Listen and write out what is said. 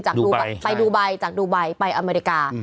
จากดูไบไปดูไบจากดูไบไปอเมริกา